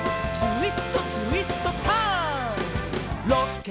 「ツイストツイストターン！」